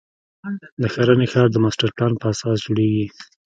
د ښرنې ښار د ماسټر پلان په اساس جوړېږي.